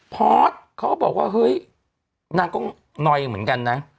พอสเขาก็บอกว่าเฮ้ยนางก็นอยเหมือนกันนะ